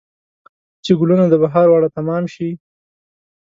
چې ګلونه د بهار واړه تمام شي